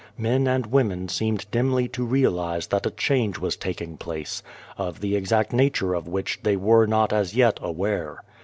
Men and women seemed dimly to realise that a change was taking place, of the exact nature of which they were not as yet aware.